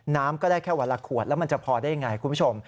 น้ำก็ได้แค่วันละขวดแล้วมันจะพอได้ยังไงคุณผู้ชม